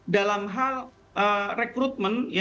dalam hal rekrutmen